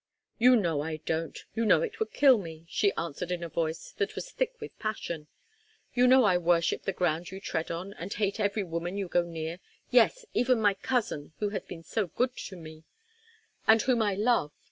"You know I don't; you know it would kill me," she answered in a voice that was thick with passion, "you know I worship the ground you tread on, and hate every woman you go near, yes, even my cousin who has been so good to me, and whom I love.